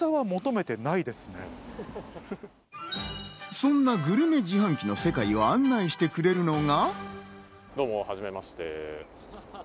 そんなグルメ自販機の世界を案内してくれるのが。